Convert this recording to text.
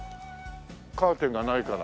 カーテンがないから。